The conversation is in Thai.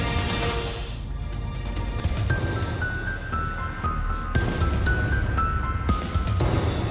สวัสดีครับ